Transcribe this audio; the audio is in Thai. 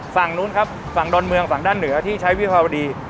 ฝั่งนู้นครับฝั่งดอนเมืองฝั่งด้านเหนือที่ใช้วิภาวดี